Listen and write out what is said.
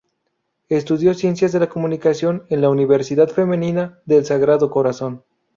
Estudió ciencias de la comunicación en la Universidad Femenina del Sagrado Corazón.